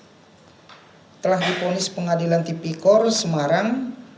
tujuh tersangka tersebut telah diponis pengadilan tpkor semarang